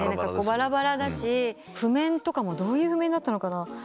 ばらばらだし譜面とかもどういう譜面だったのかな？